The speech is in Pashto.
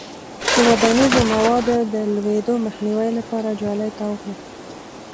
د ودانیزو موادو د لویدو مخنیوي لپاره جالۍ تاو کړئ.